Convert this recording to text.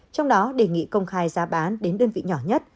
trong đó đề nghị công khai giá bán đến đơn vị nhỏ nhất